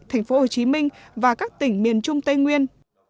thành phố hồ chí minh và các tỉnh miền trung tây nguyên